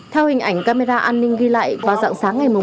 theo hình ảnh camera an ninh ghi lại vào dặng sáng ngày một mươi một